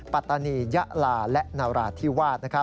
ปัตตานียะลาและนราธิวาส